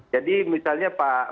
jadi misalnya pak